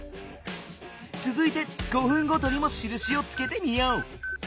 つづいて５分ごとにもしるしをつけてみよう。